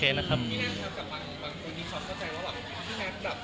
นี่น่าจะทำกับบางคนที่เขาเข้าใจว่าแบบ